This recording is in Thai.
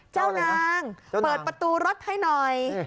เจ้านางเปิดประตูรถให้หน่อย